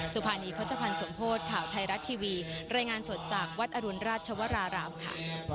สุภานีโฆษภัณฑ์สมโพธิ์ข่าวไทยรัฐทีวีรายงานสดจากวัดอรุณราชวรารามค่ะ